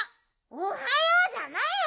おはようじゃないよ